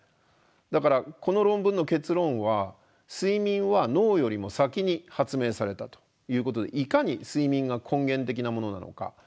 だからこの論文の結論は睡眠は脳よりも先に発明されたということでいかに睡眠が根源的なものなのか。